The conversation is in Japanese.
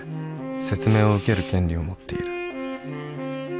説明を受ける権利を持っている